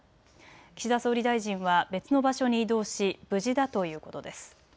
岸田総理大臣は別の場所に移動し無事だということです。